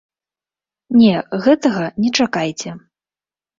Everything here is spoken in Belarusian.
Не, гэтага не чакайце.